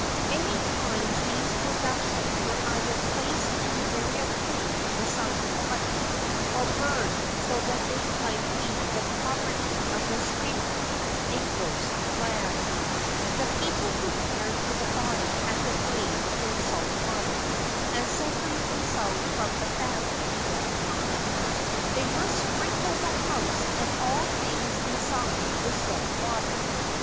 Many times these possessions were either placed in the burial cave beside the body or burned so that they might be the property of the spirit in ghost land. 250 DESCRIPTION The people who cared for the body had to bathe in salt water and separate themselves from the family for a time. They must sprinkle the house and all things inside with salt water.